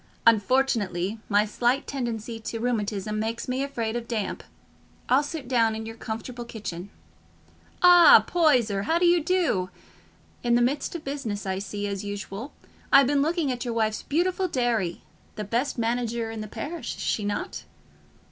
Unfortunately, my slight tendency to rheumatism makes me afraid of damp: I'll sit down in your comfortable kitchen. Ah, Poyser, how do you do? In the midst of business, I see, as usual. I've been looking at your wife's beautiful dairy—the best manager in the parish, is she not?"